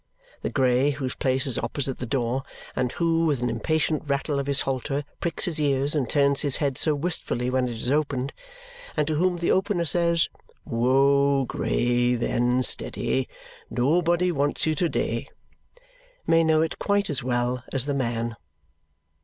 The grey, whose place is opposite the door and who with an impatient rattle of his halter pricks his ears and turns his head so wistfully when it is opened, and to whom the opener says, "Woa grey, then, steady! Noabody wants you to day!" may know it quite as well as the man.